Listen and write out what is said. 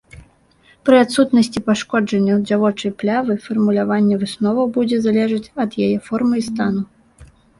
Пры адсутнасці пашкоджанняў дзявочай плявы фармуляванне высноваў будзе залежаць ад яе формы і стану.